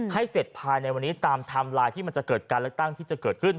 ให้เสร็จภายในวันนี้ตามไทม์ไลน์ที่มันจะเกิดการเลือกตั้งที่จะเกิดขึ้น